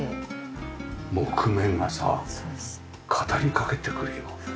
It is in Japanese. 木目がさ語りかけてくるよう。